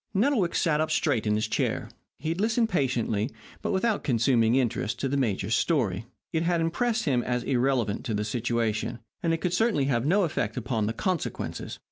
Nettlewick sat up straight in his chair. He had listened patiently, but without consuming interest, to the major's story. It had impressed him as irrelevant to the situation, and it could certainly have no effect upon the consequences.